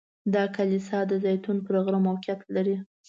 دا کلیسا د زیتون پر غره موقعیت لري.